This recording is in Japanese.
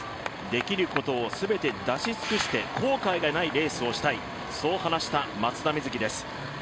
できることを全て出し尽くして後悔がないレースをしたいと話した松田瑞生です。